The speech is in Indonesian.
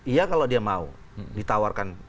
iya kalau dia mau ditawarkan